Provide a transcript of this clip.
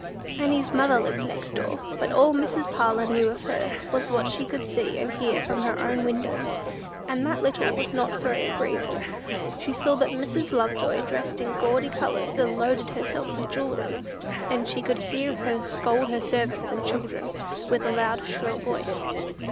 Annie's mother lived next door, but all Mrs. Parlin knew of her, was what she could see and hear from her own windows; and that little was not very agreeable. She saw that Mrs. Love joy dressed in gaudy colors, and loaded herself with jewelry; and she could hear her scold her servants and children with a loud, shrill voice.